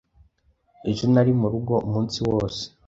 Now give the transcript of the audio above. Ejo nari murugo umunsi wose.